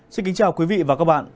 xin kính chào quý vị và các bạn